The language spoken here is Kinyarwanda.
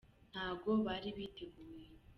ntago bari biteguye.